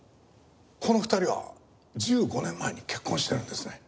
この２人は１５年前に結婚してるんですね。